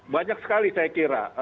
banyak sekali saya kira